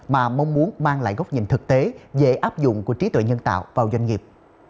mà mong muốn mang lại góc nhìn thực tế dễ áp dụng của trí tuệ nhân tạo vào doanh nghiệp